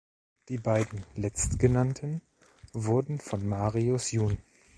Die beiden letztgenannten wurden von Marius jun.